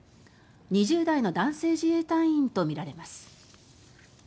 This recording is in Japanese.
２０代の男性自衛隊員とみられます。